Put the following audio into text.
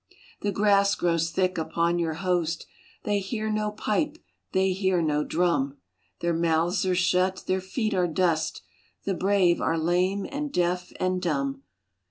The grass grows thick upon your host. They hear no pipe, they hear no drum. Their mouths are shut, their feet are dust, The brave are lame and deaf and dumb.